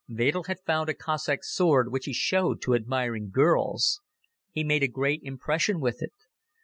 Wedel had found a Cossack sword which he showed to admiring girls. He made a great impression with it.